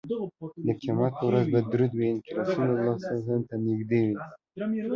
د قیامت په ورځ به درود ویونکی رسول الله ته نږدې وي